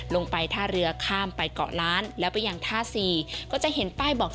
ลงไปท่าเรือข้ามไปเกาะล้าน